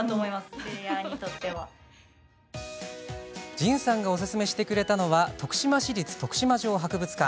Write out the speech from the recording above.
じんさんがおすすめしてくれたのは徳島市立徳島城博物館。